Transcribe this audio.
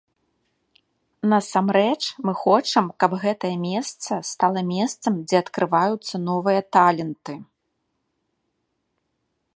Насамрэч мы хочам, каб гэтае месца стала месцам, дзе адкрываюцца новыя таленты.